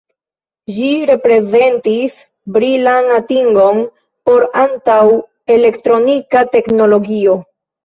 Ĝi reprezentis brilan atingon por antaŭ-elektronika teknologio.